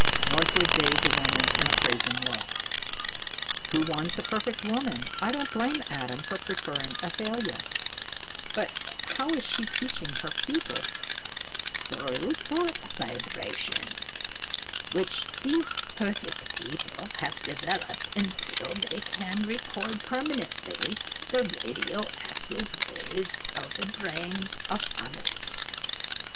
Northwood gave the woman an appraising look. "Who wants a perfect woman? I don't blame Adam for preferring Athalia. But how is she teaching her pupil?" "Through thought vibration, which these perfect people have developed until they can record permanently the radioactive waves of the brains of others."